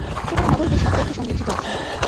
সেখানে নাগরিকের সব তথ্য সংরক্ষিত আছে।